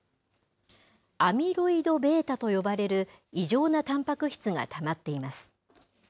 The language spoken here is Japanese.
アミロイドβと呼ばれる異常なたんぱく質がたまっています。